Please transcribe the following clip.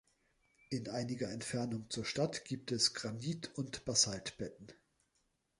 In einiger Entfernung zur Stadt gibt es Granit- und Basaltbetten.